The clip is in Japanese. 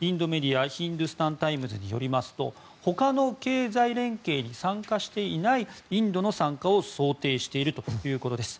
ヒンドゥスタン・タイムズによりますと他の経済連携に参加していないインドの参加を想定しているということです。